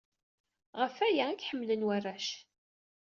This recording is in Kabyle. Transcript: Ɣef waya i k-ḥemmlen warrac.